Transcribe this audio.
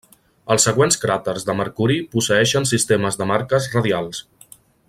Els següents cràters de Mercuri posseeixen sistemes de marques radials.